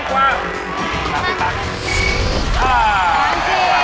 ๓๐บาท